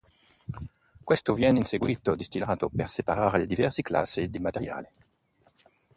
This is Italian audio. Questo viene in seguito distillato per separare le diversi classi di materiale.